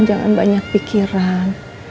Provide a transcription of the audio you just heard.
jangan banyak pikiran